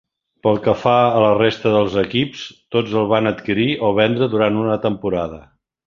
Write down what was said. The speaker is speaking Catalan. Pel que fa a la resta dels equips, tots el van adquirir o vendre durant una temporada.